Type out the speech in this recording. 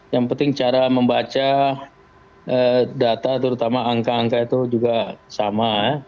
yang penting cara membaca data terutama angka angka itu juga sama